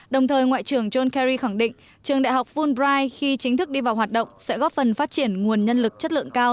đồng thời ngoại trưởng john kerry khẳng định trường đại học vunbrai khi chính thức đi vào hoạt động sẽ góp phần phát triển nguồn nhân lực chất lượng cao